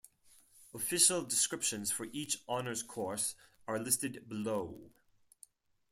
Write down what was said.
Official descriptions for each honors course are listed below.